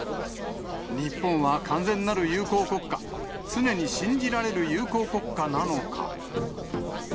日本は完全なる友好国家、常に信じられる友好国家なのか。